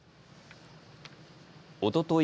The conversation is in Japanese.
おととい